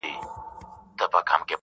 د سپي د نيستيه ئې چغال تناو کړی دئ.